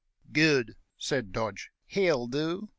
"Good!" said Dodge; "he'll do.